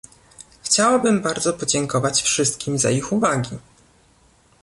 Chciałabym bardzo podziękować wszystkim za ich uwagi